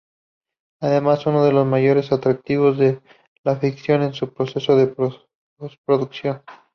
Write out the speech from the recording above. Además, uno de los mayores atractivos de la ficción es su proceso de postproducción.